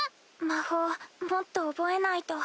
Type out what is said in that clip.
魔法もっと覚えないと。